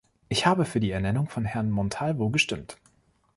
Ich habe für die Ernennung von Herrn Montalvo gestimmt.